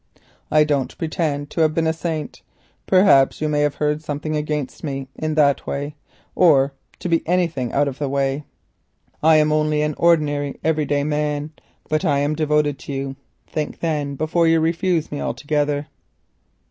I don't pretend to have been a saint—perhaps you may have heard something against me in that way—or to be anything out of the common. I am only an ordinary every day man, but I am devoted to you. Think, then, before you refuse me altogether."